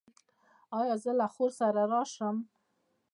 ایا زه له خور سره راشم؟